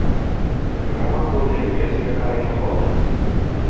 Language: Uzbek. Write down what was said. Ra’no qo’lidagi ukasiga qaragan holda: